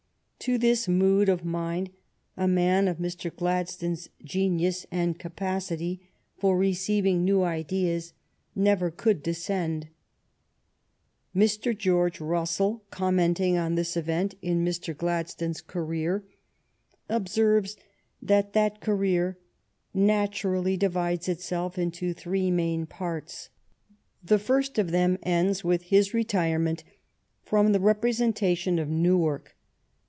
To this mood of mind a man of Mr. Gladstone's genius and capacity for receiving new ideas never could descend. Mr. George Russell, commenting on this event in Mr. Gladstone's career, observes that that career " natu rally divides itself into three main parts. The first of them ends with his retirement from the rep resentation of Newark.